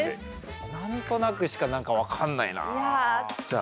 何となくしか何か分かんないなあ。